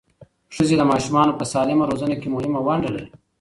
ښځې د ماشومانو په سالمه روزنه کې مهمه ونډه لري.